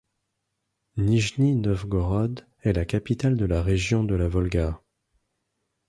Nijni Novgorod est la capitale de la région de la Volga.